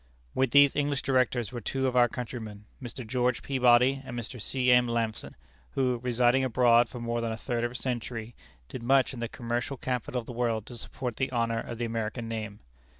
With these English Directors were two of our countrymen, Mr. George Peabody and Mr. C. M. Lampson, who, residing abroad for more than a third of a century, did much in the commercial capital of the world to support the honor of the American name.